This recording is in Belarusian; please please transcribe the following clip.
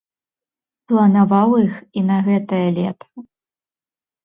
Планаваў іх і на гэтае лета.